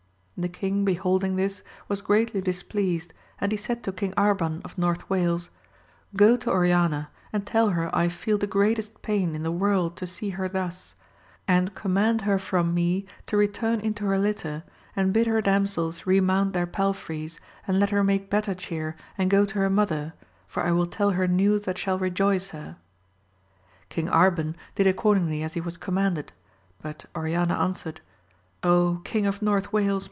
The king beholding this was greatly dis pleased, and he said to King Arban of North Wales, go to Oriana and tell her I feel the greatest pain in the world to see her thus ; and command her from me, to return into her litter, and bid her damsels remount their palfreys, and let her make better cheer and go to her mother, for I will tell her news that shall rejoice her. King Arban did accordingly as he was command ed ; but Oriana answered, King of North Wales